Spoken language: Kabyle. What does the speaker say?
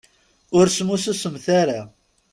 Ur smussusemt ara.